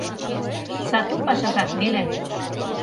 Сату пашажак веле.